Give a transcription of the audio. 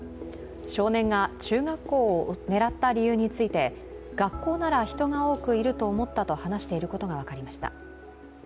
少年が中学校を狙った理由について学校なら人が多くいると思ったと話していることが分かりました。